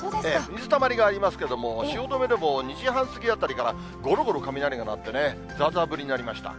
水たまりがありますけれども、汐留でも２時半過ぎあたりからごろごろ雷が鳴ってね、ざーざー降りになりました。